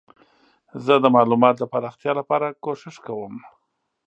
زه د معلوماتو د پراختیا لپاره کوښښ کوم.